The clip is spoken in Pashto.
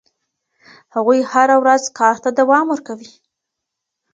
هغوی هره ورځ کار ته دوام ورکوي.